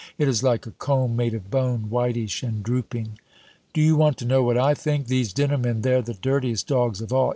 It is like a comb made of bone, whitish and drooping. "Do you want to know what I think? These dinner men, they're the dirtiest dogs of all.